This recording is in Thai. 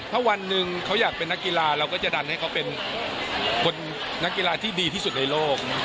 ถ้าวันหนึ่งเขาอยากเป็นนักกีฬาเราก็จะดันให้เขาเป็นคนนักกีฬาที่ดีที่สุดในโลก